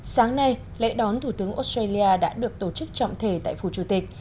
sáng nay lễ đón thủ tướng australia đã được tổ chức trọng thể tại phủ chủ tịch